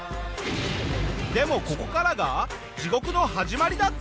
でもここからが地獄の始まりだったんだ！